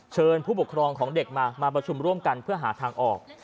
เชิญผู้ปกครองของเด็กมามาประชุมร่วมกันเพื่อหาทางออก